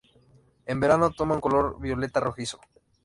En verano toma un color violeta rojizo.